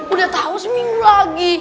udah tau seminggu lagi